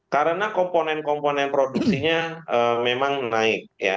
karena komponen komponen produksinya memang naik